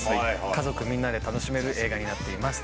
家族みんなで楽しめる映画になっています